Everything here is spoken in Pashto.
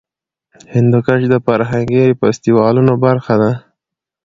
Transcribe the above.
هندوکش د فرهنګي فستیوالونو برخه ده.